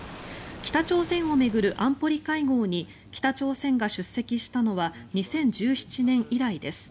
北朝鮮を巡る安保理会合に北朝鮮が出席したのは２０１７年以来です。